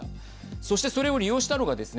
そして、それを利用したのがですね